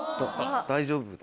大丈夫だ。